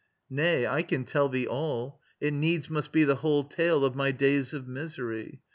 Nay, I can tell thee all. It needs must be The whole tale of my days of misery.